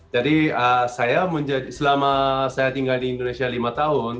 jadi saya selama saya tinggal di indonesia lima tahun